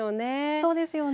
そうですよね。